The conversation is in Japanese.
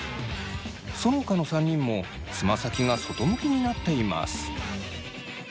そのほかの３人もつま先が外向きになっています。